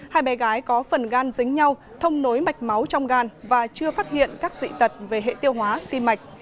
hai bé gái có phần gan dính nhau thông nối mạch máu trong gan và chưa phát hiện các dị tật về hệ tiêu hóa tim mạch